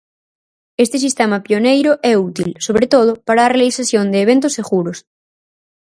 Este sistema pioneiro é útil, sobre todo, para a realización de eventos seguros.